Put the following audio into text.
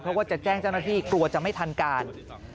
เพราะว่าจะแจ้งเจ้าหน้าที่กลัวจะไม่ทันการ